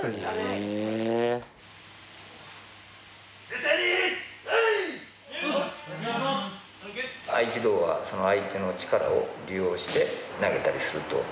合気道はその相手の力を利用して投げたりすると。